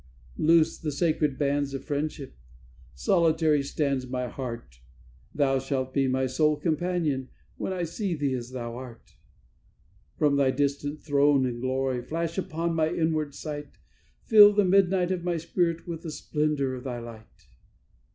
"Loosed the sacred bands of friendship, solitary stands my heart; Thou shalt be my sole companion when I see Thee as Thou art. "From Thy distant throne in glory, flash upon my inward sight, Fill the midnight of my spirit with the splendour of Thy light.